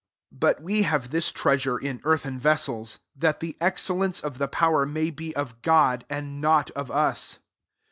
7 But we have this treasure in earthen vessels, that the ex cellence of the power may be of God, and not of us.